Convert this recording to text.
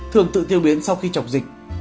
thường tự tiêu biến sau khi chọc dịch